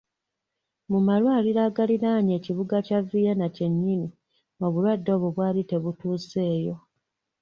Mu malwaliro agaliraanye ekibuga kya Vienna kyennyini obulwadde obwo bwali tebutuuseeyo.